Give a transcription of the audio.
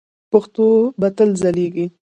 پښتو به تل ځلیږي.